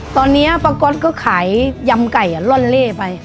ตอนนี้ป้าก๊อตก็ขายยำไก่ล่อนเล่ไป